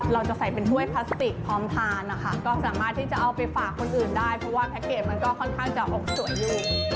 เราจะใส่เป็นถ้วยพลาสติกพร้อมทานนะคะก็สามารถที่จะเอาไปฝากคนอื่นได้เพราะว่าแพ็คเกจมันก็ค่อนข้างจะออกสวยอยู่